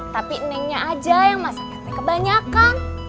tapi nengnya aja yang masaknya kebanyakan